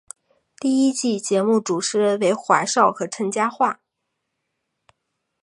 第一季节目主持人为华少和陈嘉桦。